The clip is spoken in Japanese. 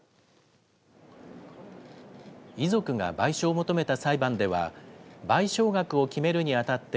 遺族が賠償を求めた裁判では、賠償額を決めるにあたって、